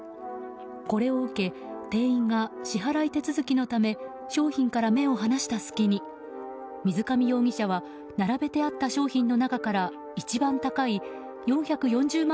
これを受け店員が支払い手続きのため商品から目を離した隙に水上容疑者は並べてあった商品の中から一番高い４４０万